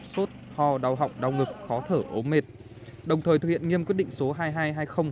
sốt ho đau họng đau ngực khó thở ốm mệt đồng thời thực hiện nghiêm quyết định số hai nghìn hai trăm hai mươi